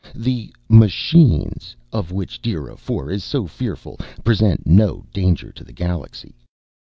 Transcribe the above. The "Machines" of which DIRA IV is so fearful present no danger to the galaxy.